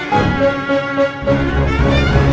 iya terima kasih pak